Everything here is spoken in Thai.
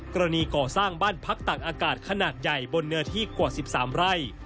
กรณีก่อสร้างบ้านพักตักอากาศขนาดใหญ่บนเนื้อที่กว่า๑๓ไร่